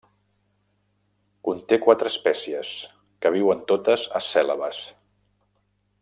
Conté quatre espècies, que viuen totes a Cèlebes.